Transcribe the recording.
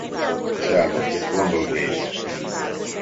Sheldon, gondold végig!